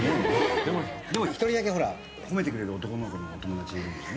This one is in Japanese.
でも１人だけ褒めてくれる男の子のお友達いるもんね？